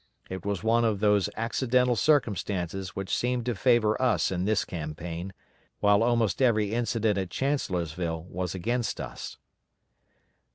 It was one of those accidental circumstances which seemed to favor us in this campaign, while almost every incident at Chancellorsville was against us.